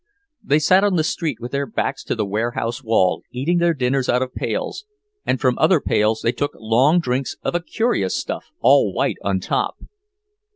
They sat on the street with their backs to the warehouse wall, eating their dinners out of pails, and from other pails they took long drinks of a curious stuff all white on top.